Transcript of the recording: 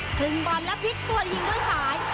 ครึ่งบอลและพลิกตัวยิงด้วยสาย